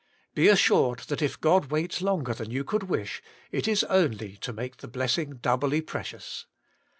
Be assured that if God waits longer than you could wish, it is only to make the blessing doubly precious.